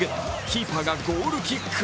キーパーがゴールキック。